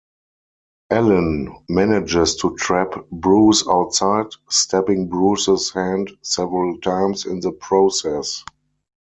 Ellen manages to trap Bruce outside, stabbing Bruce's hand several times in the process.